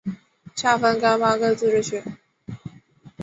下分廿八个自治市。